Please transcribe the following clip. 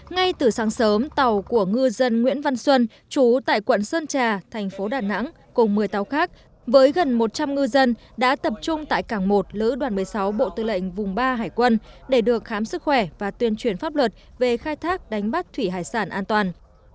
ngay từ sáng sớm tàu của ngư dân nguyễn văn xuân trú tại quận sơn trà thành phố đà nẵng cùng một mươi tàu khác với gần một trăm linh ngư dân đã tập trung tại cảng một lữ đoàn một mươi sáu bộ tư lệnh vùng ba hải quân để được khám sức khỏe và tuyên truyền pháp luật về khai thác đánh bắt thủy hải sản an toàn